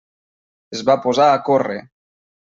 Es va posar a córrer.